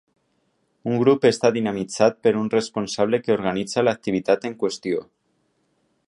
Un grup està dinamitzat per un responsable que organitza l’activitat en qüestió.